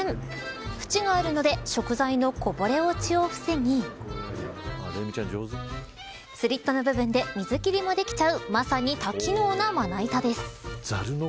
ふちがあるので食材のこぼれ落ちを防ぎスリットの部分で水切りもできちゃうまさに多機能な、まな板です。